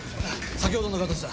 先ほどの形だ。